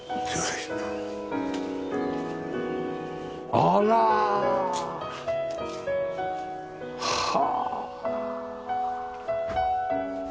あら！はあ！